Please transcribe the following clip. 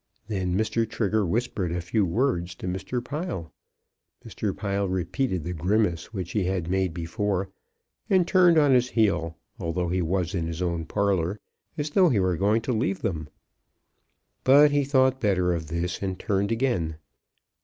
Then Mr. Trigger whispered a few words to Mr. Pile. Mr. Pile repeated the grimace which he had made before, and turned on his heel although he was in his own parlour, as though he were going to leave them. But he thought better of this, and turned again.